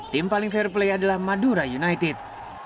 tim paling fair play adalah madura united